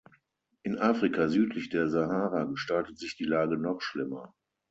In Afrika südlich der Sahara gestaltet sich die Lage noch schlimmer.